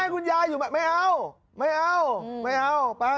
คุณยายอยู่ไม่เอาไม่เอาไม่เอาไป